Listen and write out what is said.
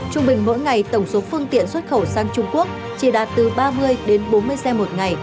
trung bình mỗi ngày tổng số phương tiện xuất khẩu sang trung quốc chỉ đạt từ ba mươi đến bốn mươi xe một ngày